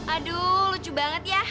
aduh lucu banget ya